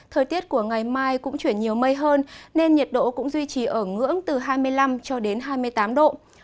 thời tiết của ngày mai cũng chuyển nhiều mây hơn nên nhiệt độ cũng duy trì ở ngưỡng từ hai mươi năm cho đến hai mươi tám độ